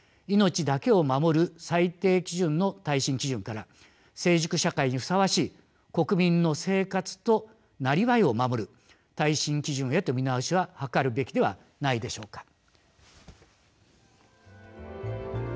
命だけを守る最低基準の耐震基準から成熟社会にふさわしい国民の生活となりわいを守る耐震基準へと見直しを図るべきではないでしょうか。